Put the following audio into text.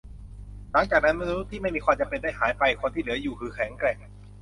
หลังจากนั้น มนุษย์ที่ไม่มีความจำเป็นได้หายไป คนที่เหลืออยู่คือแข็งแกร่ง